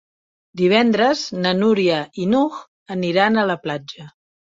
Divendres na Núria i n'Hug aniran a la platja.